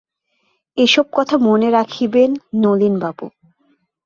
এ-সব কথা মনে রাখিবেন নলিনবাবু।